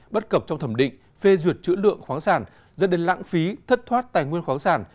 bất cập trong thẩm định phê duyệt chữ lượng khoáng sản dẫn đến lãng phí thất thoát tài nguyên khoáng sản